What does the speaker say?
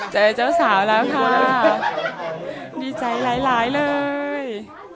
เจอเจ้าสาวแล้วค่ะดีใจหลายหลายเลย